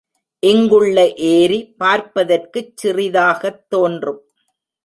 இங்குள்ள ஏரி பார்ப்பதற்குச் சிறிதாகத் தோன்றும்.